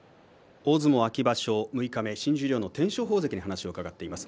大相撲秋場所六日目新十両の天照鵬関に話を伺っています。